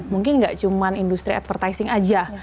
mungkin nggak cuma industri advertising aja